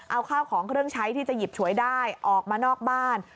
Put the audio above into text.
เอาข้าวของเครื่องใช้ที่จะหยิบฉวยได้ออกมานอกบ้าน